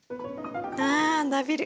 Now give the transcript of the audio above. あ伸びる。